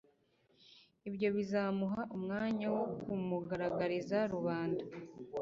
Ibyo bizamuha umwanya wo kumugaragariza rubanda.